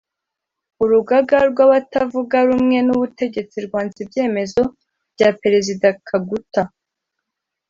urugaga rw’abatavuga rumwe n’ubutegetsi rwanze ibyemezo bya Perezida Kaguta